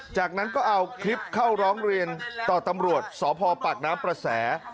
จากนั้นก็เอาคลิปเข้าร้องเรียนต่อตำรวจสพปากน้ำประแส